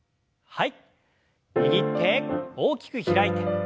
はい。